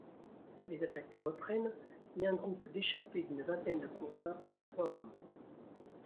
Les attaques reprennent et un groupe d'échappés d'une vingtaine de coureurs se forme.